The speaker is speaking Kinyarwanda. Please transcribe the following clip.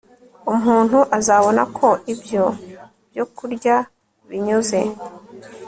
Umuntu azabona ko ibyo byokurya binyuze